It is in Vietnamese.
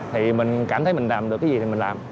thì mình cảm thấy mình làm được cái gì thì mình làm